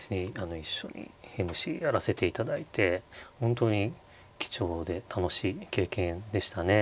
一緒にＭＣやらせていただいて本当に貴重で楽しい経験でしたね。